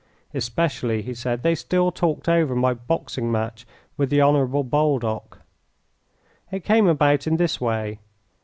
Especially, he said, they still talked over my boxing match with the Honourable Baldock. It came about in this way.